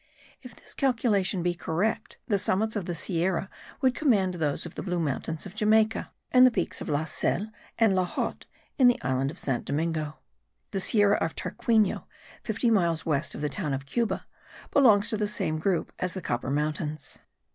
If this calculation be correct, the summits of the Sierra would command those of the Blue Mountains of Jamaica, and the peaks of La Selle and La Hotte in the island of San Domingo. The Sierra of Tarquino, fifty miles west of the town of Cuba, belongs to the same group as the Copper Mountains.